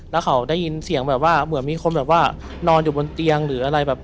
แล้วเขาได้ยินเสียงแบบว่าเหมือนมีคนแบบว่านอนอยู่บนเตียงหรืออะไรแบบ